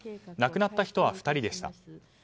亡くなった人は２人でした。